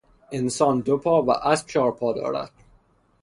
انسان دو پا و اسب چهار پا دارد.